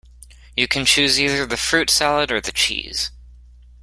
You can choose either the fruit salad or the cheese